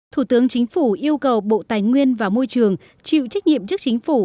thủ tướng chính phủ yêu cầu bộ tài nguyên và môi trường chịu trách nhiệm trước chính phủ